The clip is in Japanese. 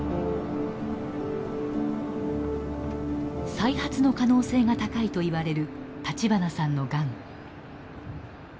再発の可能性が高いといわれる立花さんのがん。